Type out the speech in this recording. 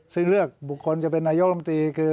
ซึ่งเลือกบุคคลจะเป็นอายุประมาณประมาณปี